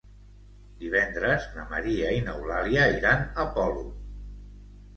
Divendres na Maria i n'Eulàlia iran a Polop.